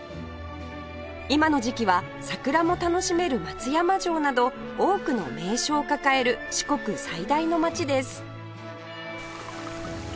今の時期は桜も楽しめる松山城など多くの名所を抱える四国最大の街です